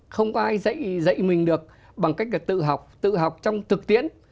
không có ai dạy mình được bằng cách tự học tự học trong thực tiễn